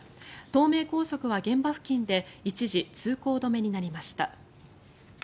東名高速は現場付近で一時、通行止めになりました。